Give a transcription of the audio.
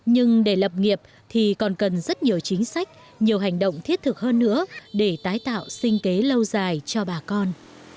nhưng để lập nghiệp thì còn cần rất nhiều chính sách nhiều hành động thiết thực hơn nữa để tái tạo sinh kế lâu dài cho bà con